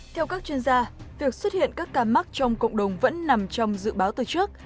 theo các chuyên gia việc xuất hiện các ca mắc trong cộng đồng vẫn nằm trong dự báo từ trước